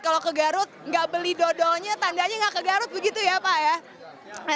kalau ke garut nggak beli dodolnya tandanya nggak ke garut begitu ya pak ya